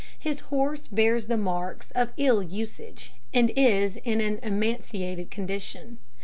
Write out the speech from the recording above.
His horse bears the marks of ill usage, and is in an emaciated condition.